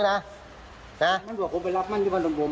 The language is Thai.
มันบอกว่าไปรับมันอยู่บนผม